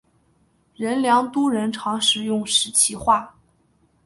仁良都人常使用石岐话。